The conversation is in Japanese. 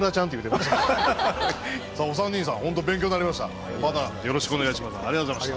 またよろしくお願いします。